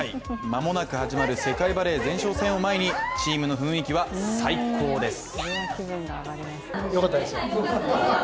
間もなく始まる世界バレー前哨戦を前にチームの雰囲気は最高です。